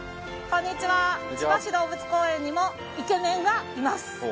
こんにちは千葉市動物公園にもイケメンはいます